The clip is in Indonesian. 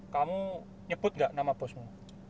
kamu nyebut nggak nama bosmu